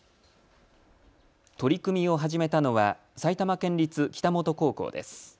取り組みを始めたのは埼玉県立北本高校です。